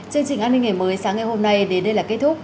chương trình an ninh ngày mới sáng ngày hôm nay đến đây là kết thúc